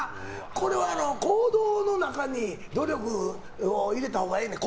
これは行動の中に努力を入れたほうがええねん。